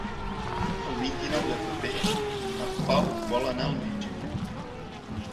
El vint-i-nou de febrer en Pau vol anar al metge.